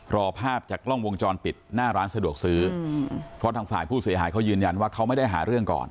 รอภาพจากกล้องวงจรปิดหน้าร้านสะดวกซื้อเพราะทางฝ่ายผู้เสียหายเขายืนยันว่าเขาไม่ได้หาเรื่องก่อน